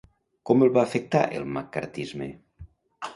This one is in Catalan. Com el va afectar el maccarthisme?